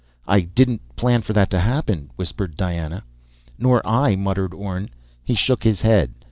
"I didn't plan for that to happen," whispered Diana. "Nor I," muttered Orne. He shook his head.